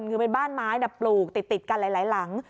ในบ้านไม้ปลูกติดกันหลายหลัง